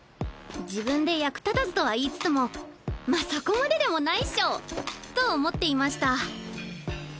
自分で役立たずとは言いつつもまあそこまででもないっしょと思っていました